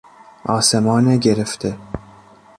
آسمان گرفته